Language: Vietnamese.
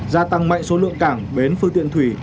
gia tăng mạnh số lượng cảng bến phương tiện thủy